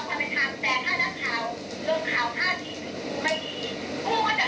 เพราะว่าของข่าวที่มีแล้วคุณแก้ไม่ได้